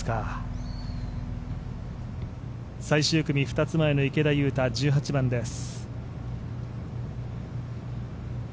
最終組２つ前の池田勇太、１８番です。